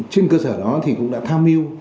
trên cơ sở đó thì cũng đã tham miu